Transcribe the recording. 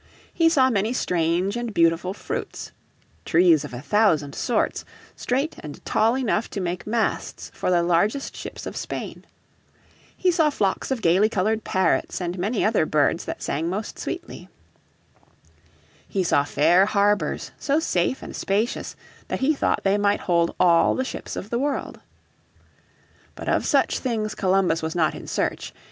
He saw many strange and beautiful fruits: "trees of a thousand sorts, straight and tall enough to make masts for the largest ships of Spain." He saw flocks of gaily coloured parrots and many other birds that sang most sweetly. He saw fair harbours so safe and spacious that he thought they might hold all the ships of the world. But of such things Columbus was not in search.